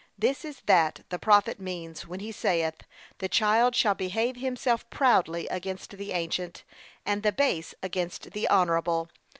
This is that the prophet means, when he saith, 'The child shall behave himself proudly against the ancient, and the base against the honourable.'